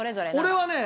俺はね